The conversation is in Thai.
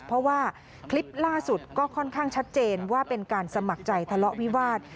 เพราะว่าคลิปล่าสุดก็ค่อนข้างชัดเจนว่าเป็นการสมัครใจทะเลาะวิวาส